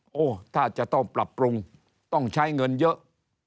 โอ้โหถ้าจะต้องปรับปรุงต้องใช้เงินเยอะ